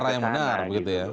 cara yang benar begitu ya